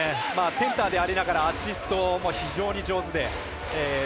センターでありながらアシストも非常に上手で、３．８。